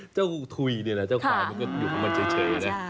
เจ้าถุยเนี่ยนะเจ้าควายมันเฉยนะ